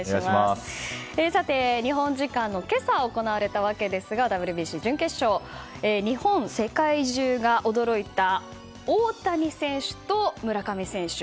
さて、日本時間の今朝行われたわけですがＷＢＣ準決勝日本、世界中が驚いた大谷選手と村上選手。